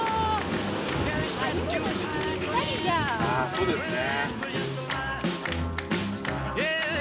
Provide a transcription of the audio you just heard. そうですね。